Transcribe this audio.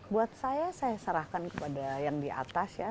buat saya saya serahkan kepada yang di atas ya